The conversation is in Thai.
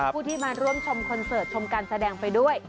ผู้ที่มาร่วมชมคอนเสิร์ตชมการแสดงไปด้วย